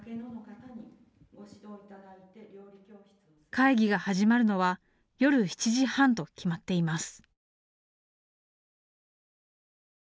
会議が始まるのは夜７時半と決まっています。